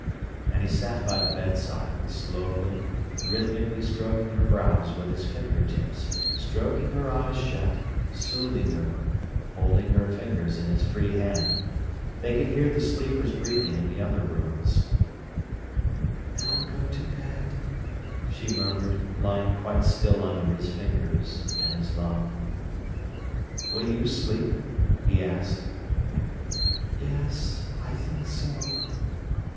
And he sat by the bedside, slowly, rhythmically stroking her brows with his finger tips, stroking her eyes shut, soothing her, holding her fingers in his free hand. They could hear the sleepers' breathing in the other rooms. "Now go to bed," she murmured, lying quite still under his fingers and his love. "Will you sleep?" he asked. "Yes, I think so."